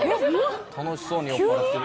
楽しそうに酔っ払ってる。